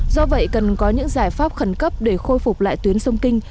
do vậy cần có những giải pháp khẩn cấp để khôi phục lại tuyến sông kinh